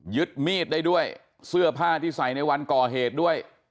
มีดได้ด้วยเสื้อผ้าที่ใส่ในวันก่อเหตุด้วย